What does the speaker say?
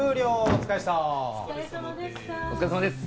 お疲れさまです